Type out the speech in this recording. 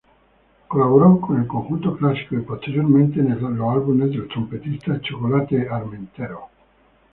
Colaboró con el Conjunto Clásico y posteriormente en los albums del trompetista 'Chocolate' Armenteros.